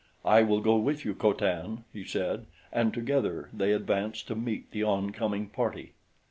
"I will go with you, Co Tan," he said; and together they advanced to meet the oncoming party.